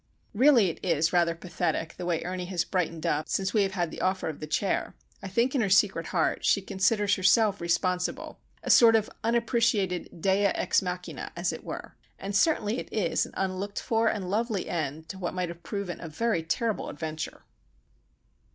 Really it is rather pathetic the way Ernie has brightened up since we have had the offer of the chair. I think in her secret heart she considers herself responsible;—a sort of unappreciated dea ex machina, as it were. And certainly it is an unlooked for and lovely end to what might have proven a very terrible adventure.